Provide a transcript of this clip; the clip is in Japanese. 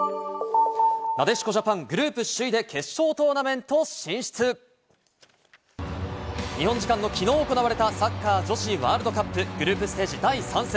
なでしこジャパン、グループ首位で決勝トーナメント進出！日本時間のきのう行われたサッカー女子ワールドカップグループステージ第３戦。